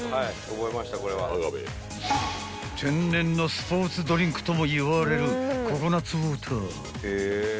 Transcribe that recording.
［天然のスポーツドリンクともいわれるココナッツウォーター］